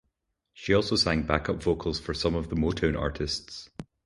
She also sang backup vocals for some of the Motown artists.